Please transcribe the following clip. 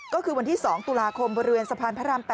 ก็คือวันที่๒ตุลาคมบริเวณสะพานพระราม๘